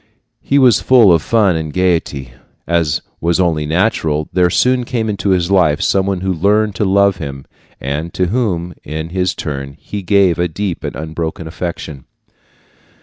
He was full of fun and gaiety. As was only natural, there soon came into his life some one who learned to love him, and to whom, in his turn, he gave a deep and unbroken affection.